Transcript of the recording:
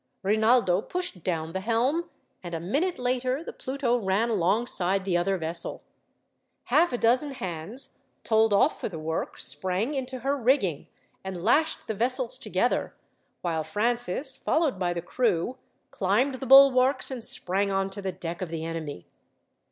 Rinaldo pushed down the helm, and a minute later the Pluto ran alongside the other vessel. Half a dozen hands, told off for the work, sprang into her rigging, and lashed the vessels together; while Francis, followed by the crew, climbed the bulwarks and sprang on to the deck of the enemy.